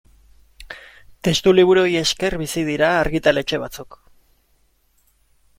Testuliburuei esker bizi dira argitaletxe batzuk.